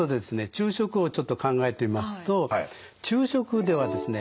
昼食をちょっと考えてみますと昼食ではですね